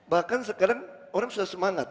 bahkan sekarang orang sudah semangat